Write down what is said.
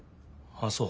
ああそう。